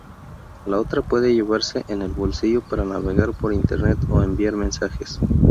La otra puede llevarse en el bolsillo para navegar por internet o enviar mensajes.